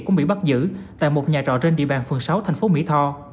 cũng bị bắt giữ tại một nhà trọ trên địa bàn phường sáu thành phố mỹ tho